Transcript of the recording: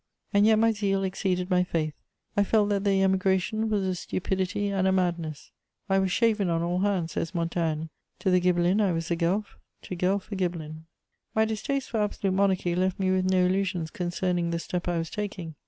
And yet my zeal exceeded my faith; I felt that the emigration was a stupidity and a madness: "I was shaven on all hands," says Montaigne. "To the Ghibelin I was a Guelf, to Guelf a Ghibelin." My distaste for absolute monarchy left me with no illusions concerning the step I was taking.